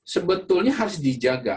sebetulnya harus dijaga